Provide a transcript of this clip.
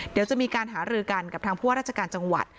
เดี๋ยวจะมีการหารือกันกับทางผู้ว่าราชการจังหวัด